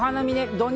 土日